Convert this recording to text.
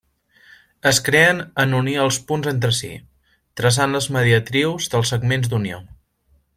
Es creen en unir els punts entre si, traçant les mediatrius dels segments d'unió.